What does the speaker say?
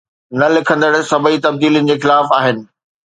نه لکندڙ سڀئي تبديلين جي خلاف آهن